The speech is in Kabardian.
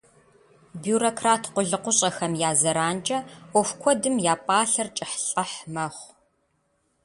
Бюрократ къулыкъущӏэхэм я зэранкӏэ ӏуэху куэдым я пӏалъэр кӏыхьлӏыхь мэхъу.